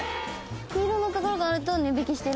黄色のところがあると値引きしてるってこと？